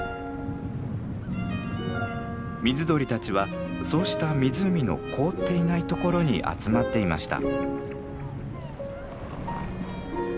水鳥たちはそうした湖の凍っていないところに集まっていました。